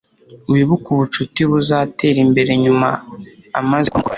wibuke ubucuti buzatera imbere nyuma amaze kuba mukuru